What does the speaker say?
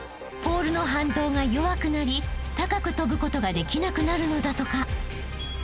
［ポールの反動が弱くなり高く跳ぶことができなくなるのだとか］